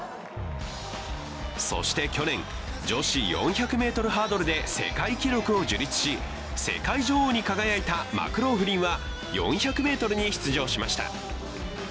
そして去年、女子４００ｍハードルで世界記録を樹立し、世界女王に輝いたマクローフリンは４００ｍに出場しました。